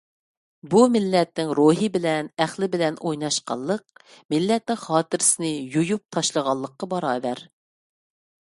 بۇ مىللەتنىڭ روھى بىلەن، ئەقلى بىلەن ئويناشقانلىق، مىللەتنىڭ خاتىرىسىنى يۇيۇپ تاشلىغانلىققا باراۋەر.